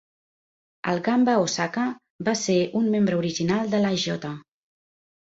El Gamba Osaka va ser un membre original de la J.